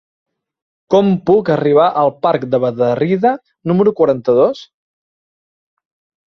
Com puc arribar al parc de Bederrida número quaranta-dos?